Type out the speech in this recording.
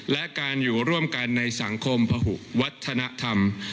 และการอยู่ร่วมกันในสังคมพหุวัฒนธรรม